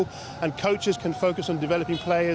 dan pemain bisa fokus pada membangun pemain